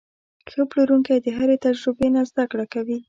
ښه پلورونکی د هرې تجربې نه زده کړه کوي.